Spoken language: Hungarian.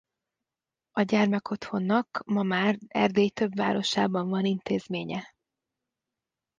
A gyermekotthonnak ma már Erdély több városában van intézménye.